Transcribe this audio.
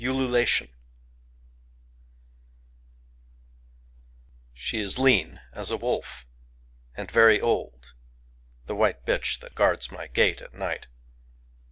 Ululation She is lean as a wolf, and very old,—the white bitch that guards my gate at night.